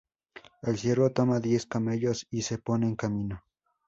El siervo toma diez camellos y se pone en camino.